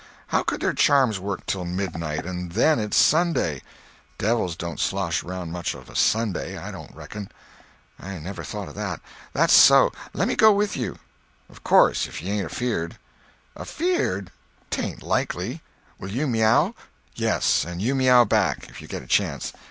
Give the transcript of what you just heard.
How could their charms work till midnight?—and then it's Sunday. Devils don't slosh around much of a Sunday, I don't reckon." "I never thought of that. That's so. Lemme go with you?" "Of course—if you ain't afeard." "Afeard! 'Tain't likely. Will you meow?" "Yes—and you meow back, if you get a chance.